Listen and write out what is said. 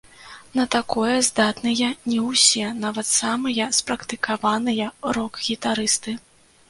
На такое здатныя не ўсе, нават самыя спрактыкаваныя рок-гітарысты!